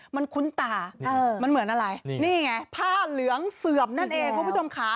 มันคุ้นตามันเหมือนอะไรนี่ไงผ้าเหลืองเสื่อมนั่นเองคุณผู้ชมค่ะ